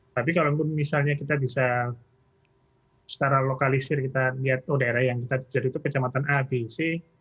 jadi kalaupun misalnya kita bisa secara lokalisir kita lihat oh daerah yang tadi itu kejamatan a b c